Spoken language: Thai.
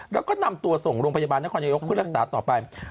แล้วก็นำตัวส่งโรงพยาบาลนครนายกเพื่อรักษาต่อไป